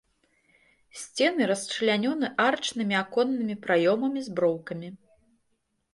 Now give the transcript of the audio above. Сцены расчлянёны арачнымі аконнымі праёмамі з броўкамі.